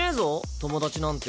友達なんて。